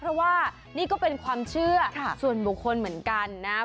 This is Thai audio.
เพราะว่านี่ก็เป็นความเชื่อส่วนบุคคลเหมือนกันนะ